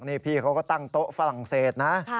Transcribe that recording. นี่พี่เขาก็ตั้งโต๊ะฝรั่งเศสนะ